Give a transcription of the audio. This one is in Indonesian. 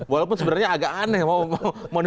dan itu sudah berproses